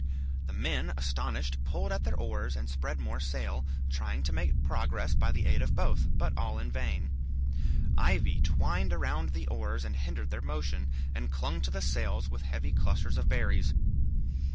The men, astonished, pulled at their oars, and spread more sail, trying to make progress by the aid of both, but all in vain. Ivy twined round the oars and hindered their motion, and clung to the sails, with heavy clusters of berries.